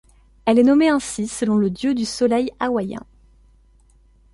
Elle est nommée ainsi selon le dieu du soleil Hawaiien.